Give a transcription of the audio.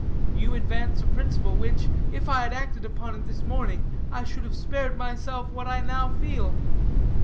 "You advance a principle, which, if I had acted upon it this morning, I should have spared myself what I now feel.